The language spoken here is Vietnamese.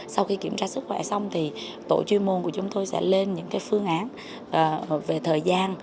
sau khi kiểm tra sức khỏe xong thì tổ chuyên môn của chúng tôi sẽ lên những phương án về thời gian về phương pháp